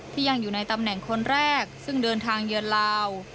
ยังอยู่ในตำแหน่งคนแรกซึ่งเดินทางเยือนลาว